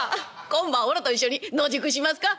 今晩おらと一緒に野宿しますか？」。